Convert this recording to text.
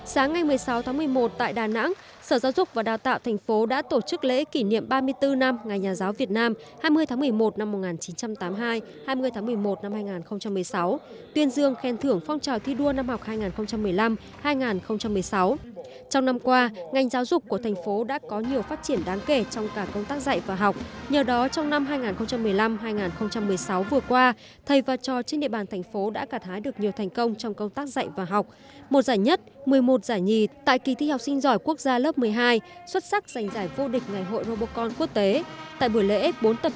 sáng ngày một mươi sáu tháng một mươi một tại đà nẵng sở giáo dục và đào tạo tp hcm đã tổ chức lễ kỷ niệm ba mươi bốn năm ngày nhà giáo việt nam